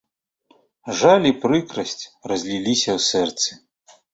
Жаль і прыкрасць разліліся ў сэрцы.